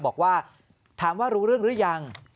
บอกว่าถามว่ารู้เรื่องหรือยัง